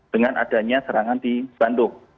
dengan adanya serangan di bandung